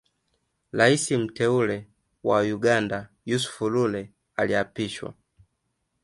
Rais mteule wa Uganda Yusuf Lule aliapishwa